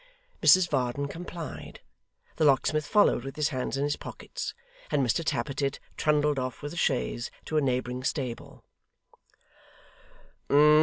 Mrs Varden complied. The locksmith followed with his hands in his pockets, and Mr Tappertit trundled off with the chaise to a neighbouring stable.